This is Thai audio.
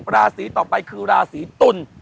ราศีต่อไปคือราศีตุล